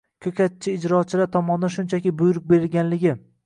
Ko‘katchi - ijrochilar tomonidan shunchaki buyruq berilganligi